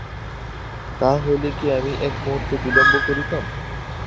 তাহা হইলে কি আমি এক মুহূর্ত বিলম্ব করিতাম।